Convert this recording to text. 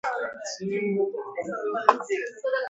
Ninety American ships were in Pearl Harbor.